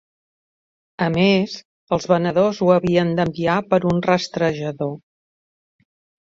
A més els venedors ho havien d'enviar per un rastrejador.